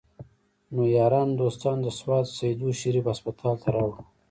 نو يارانو دوستانو د سوات سيدو شريف هسپتال ته راوړو